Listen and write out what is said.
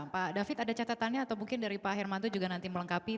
pak david ada catatannya atau mungkin dari pak hermanto juga nanti melengkapi